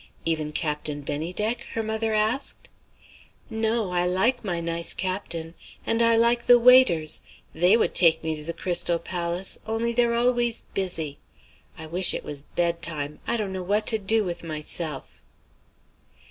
"Even Captain Bennydeck?" her mother asked. "No; I like my nice Captain. And I like the waiters. They would take me to the Crystal Palace only they're always busy. I wish it was bedtime; I don't know what to do with myself."